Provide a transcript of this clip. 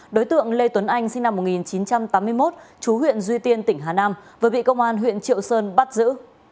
đối tượng lê tuấn anh sinh năm một nghìn chín trăm tám mươi một chú huyện duy tiên tỉnh hà nam vừa bị công an huyện triệu sơn bắt giữ